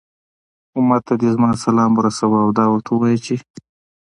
أمت ته دي زما سلام ورسوه، او دا ورته ووايه چې